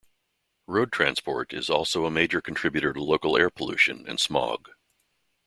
Road transport is also a major contributor to local air pollution and smog.